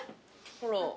ほら。